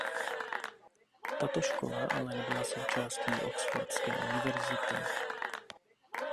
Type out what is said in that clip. Tato škola ale nebyla součástí Oxfordské university.